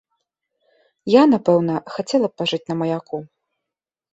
Я, напэўна, хацела б пажыць на маяку.